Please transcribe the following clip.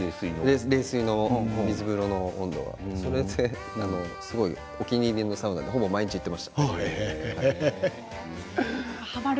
水風呂の温度それがお気に入りのサウナでほぼ毎日行っていました。